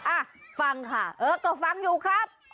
อ่ะฟังค่ะเออก็ฟังอยู่ครับ